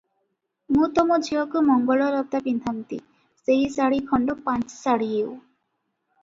ମୁଁ ତ ମୋ ଝିଅକୁ ମଙ୍ଗଳଲତା ପିନ୍ଧାନ୍ତି, ସେହି ଶାଢ଼ୀ ଖଣ୍ଡ ପାଞ୍ଚି ଶାଢ଼ୀ ହେଉ ।